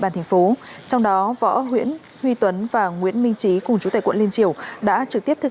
bàn trong đó võ huy tuấn và nguyễn minh trí cùng chú tại quận liên triều đã trực tiếp thực